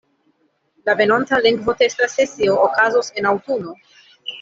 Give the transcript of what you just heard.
La venonta lingvotesta sesio okazos en aŭtuno.